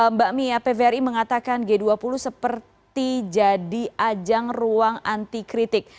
mbak mia pvri mengatakan g dua puluh seperti jadi ajang ruang antikritik